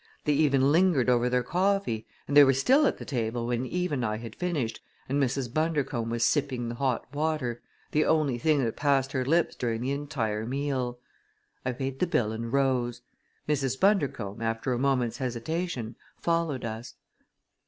They even lingered over their coffee and they were still at the table when Eve and I had finished and Mrs. Bundercombe was sipping the hot water, the only thing that passed her lips during the entire meal. I paid the bill and rose. Mrs. Bundercombe, after a moment's hesitation, followed us.